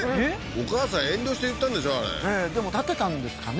お母さん遠慮して言ったんでしょあれでも立てたんですかね